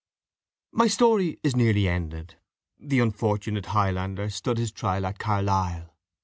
My story is nearly ended. The unfortunate Highlander stood his trial at Carlisle.